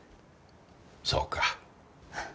そうか。